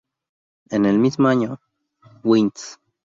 En el mismo año, w-inds.